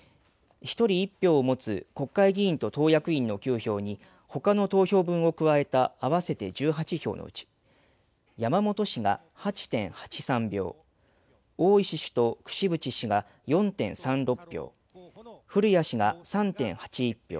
その結果、１人１票を持つ国会議員と党役員の９票に他の投票分を加えた合わせて１８票のうち山本氏が８．８３票大石氏と櫛渕氏が４．３６票古谷氏が３．８１票。